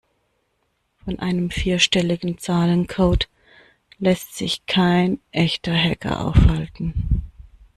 Von einem vierstelligen Zahlencode lässt sich kein echter Hacker aufhalten.